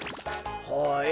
はい。